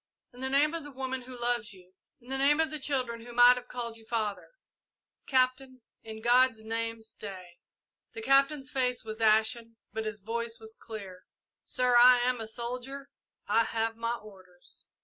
In the name of the woman who loves you in the name of the children who might have called you father Captain in God's name stay!" The Captain's face was ashen, but his voice was clear. "Sir, I am a soldier I have my orders!"